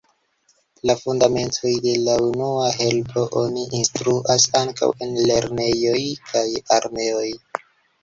La fundamentojn de la unua helpo oni instruas ankaŭ en lernejoj kaj armeoj.